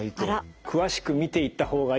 詳しく見ていった方がいい。